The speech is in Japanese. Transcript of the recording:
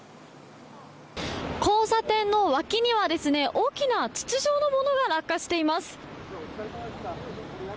交差点の脇には大きな筒状のものが落下しています。